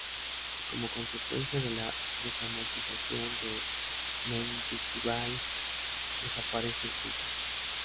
Como consecuencia de la Desamortización de Mendizabal desaparece el culto.